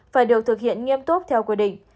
phải được thực hiện nghiêm túc theo quy định